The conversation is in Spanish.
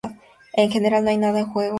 En general, no hay nada en juego.